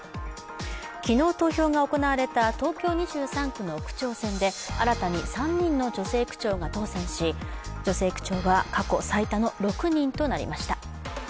昨日、投票が行われた東京２３区の区長選で新たに３人の女性区長が当選し女性区長は過去最多の６人となりました。